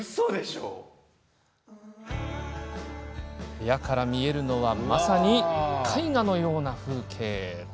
部屋から見えるのはまさに絵画のような絶景。